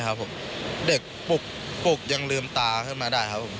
ครับผมเด็กปลุกปลุกยังลืมตาขึ้นมาได้ครับผม